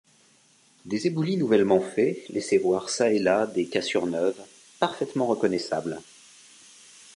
Des éboulis nouvellement faits laissaient voir çà et là des cassures neuves, parfaitement reconnaissables.